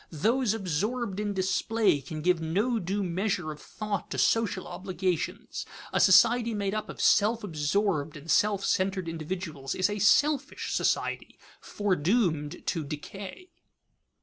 Those absorbed in display can give no due measure of thought to social obligations. A society made up of self absorbed and self centered individuals is a selfish society, foredoomed to decay.